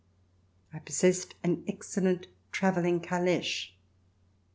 I possessed an excellent travelling caleche.